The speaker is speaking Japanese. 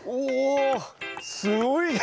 おすごい！